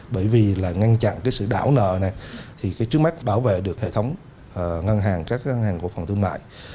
bởi vì ngăn chặn sự đảo nợ trước mắt bảo vệ được hệ thống ngân hàng các ngân hàng của phòng thương mại